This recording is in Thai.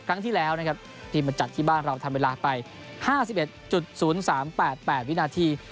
ครั้งที่แล้วนะครับทีมมาจัดที่บ้านเราทำเวลาไป๕๑๐๓๘๘วินาที